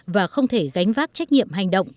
và không thể gánh vác trách nhiệm hành động